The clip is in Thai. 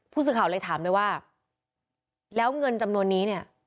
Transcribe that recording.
ผู้สื่อข่าวเลยถามไปว่าแล้วเงินจำนวนนี้เนี่ย